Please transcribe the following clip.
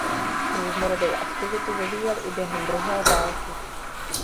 Různorodou aktivitu vyvíjel i během druhé války.